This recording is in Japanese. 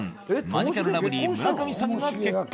マヂカルラブリー村上さんが結婚。